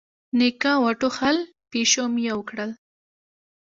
نيکه وټوخل، پيشو ميو کړل.